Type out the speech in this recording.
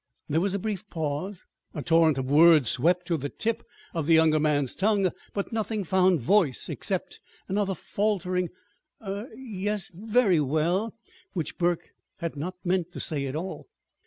There was a brief pause. A torrent of words swept to the tip of the younger man's tongue; but nothing found voice except another faltering "Er yes, very well!" which Burke had not meant to say at all.